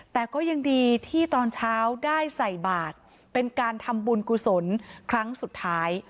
แต่ก็ยังดีที่ตอนเช้าได้ใส่บาทเป็นการทำบุญกุศลครั้งสุดท้าย